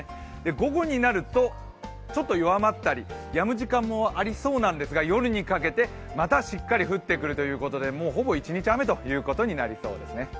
午後になると、ちょっと弱まったりやむ時間もありそうなんですが夜にかけて、またしっかり降ってくるということで、ほぼ一日雨ということになりそうですね。